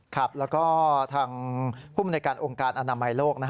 ครับแล้วก็ทางผู้บริษัทโรงการอนามัยโลก